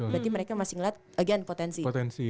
berarti mereka masih ngeliat again potensi